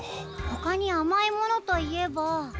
ほかにあまいものといえば。